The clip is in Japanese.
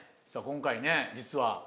さあ今回ね実は。